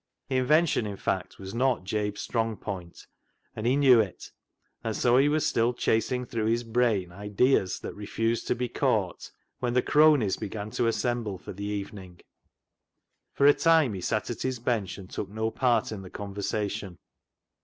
Invention, in fact, was not Jabe's strong point, and he knew it, and so he was still chasing through his brain ideas that refused to be caught when the cronies began to assemble for the evening. For a time he sat at his bench and took no part in the conversation.